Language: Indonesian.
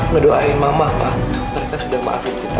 ngedoain mama pak mereka sudah maafin kita